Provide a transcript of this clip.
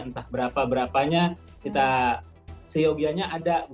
entah berapa berapanya kita seyogianya ada